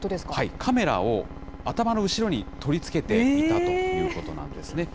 カメラを頭の後ろに取り付けていたということなんですね。